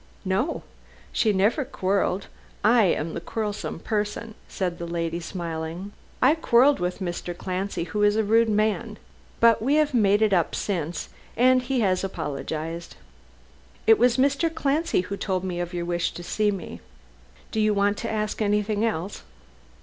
"No. She never quarrelled. I am the quarrelsome person," said the lady, smiling. "I quarrelled with Mr. Clancy, who is a rude man. But we have made it up since, as he has apologized. It was Mr. Clancy who told me of your wish to see me. Do you want to ask anything else?"